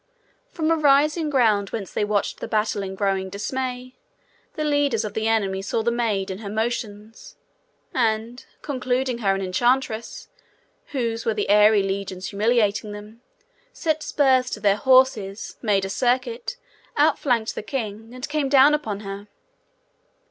From a rising ground whence they watched the battle in growing dismay, the leaders of the enemy saw the maid and her motions, and, concluding her an enchantress, whose were the airy legions humiliating them, set spurs to their horses, made a circuit, outflanked the king, and came down upon her.